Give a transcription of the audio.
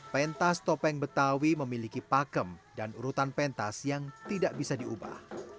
pentas topeng betawi memiliki pakem dan urutan pentas yang tidak bisa diubah